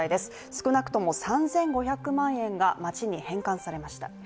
少なくとも３５００万円が町に返還されました。